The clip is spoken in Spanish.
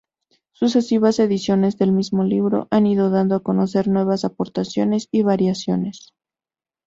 Sucesivas ediciones del mismo libro han ido dando a conocer nuevas aportaciones y variaciones.